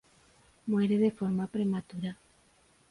Muere de forma prematura.